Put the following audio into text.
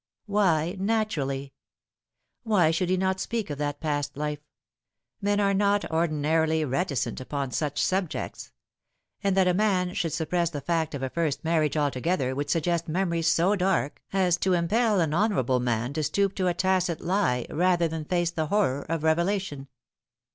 Why naturally? Why should he not speak of that past life? Men are not ordinarily reticent upon such subjects. And that a man should suppress the fact of a first marriage altogether would suggest memories so dark as to impel an honourable man to stoop to a tacit lie rather than face the horror of revelation.